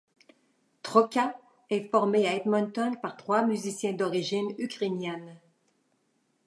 Troyka est formé à Edmonton par trois musiciens d'origine ukrainienne.